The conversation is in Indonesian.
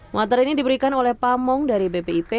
muatar ini diberikan oleh pamong dari bpip